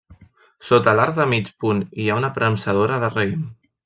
Sota l'arc de mig punt hi ha una premsadora de raïm.